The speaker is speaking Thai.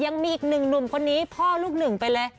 ยังมีอีกหนึ่งหนุ่มคนนี้พ่อลูกหนึ่งไปเลย